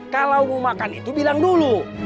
kalau mau makan itu bilang dulu